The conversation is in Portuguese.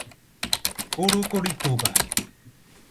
Urucurituba